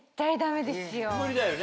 無理だよね？